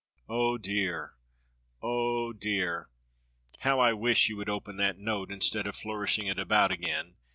Oh, dear, oh, dear ! How I wish you would open that note, instead of flourishing it about again.